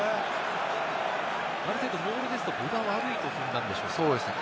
モールですと、分が悪いという踏んだんでしょうか。